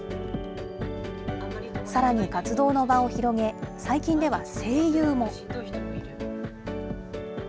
さらに活動の場を広げ、最近では声優も。